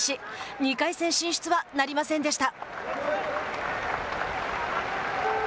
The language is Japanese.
２回戦進出はなりませんでした。